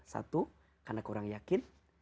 satu karena kurang yakin